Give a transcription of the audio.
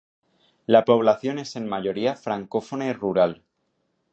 La población es en mayoría francófona y rural.